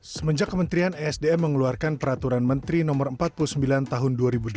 semenjak kementerian esdm mengeluarkan peraturan menteri no empat puluh sembilan tahun dua ribu delapan belas